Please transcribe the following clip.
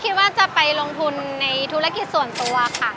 คิดว่าจะไปลงทุนในธุรกิจส่วนตัวค่ะ